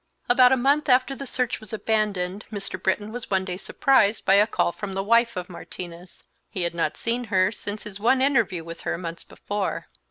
About a month after the search was abandoned Mr. Britton was one day surprised by a call from the wife of Martinez. He had not seen her since his one interview with her months before.